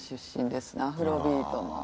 アフロ・ビートの。